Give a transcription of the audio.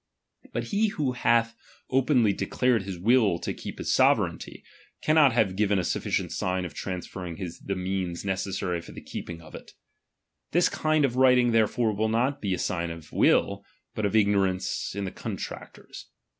But he who hath openly declared his will to keep his sovereignty, cannot have given a sufficient sign of transferring the means necessary for the keeping it. This kind of writing therefore will not be a sign of will, but of igiiorauce in the contractors.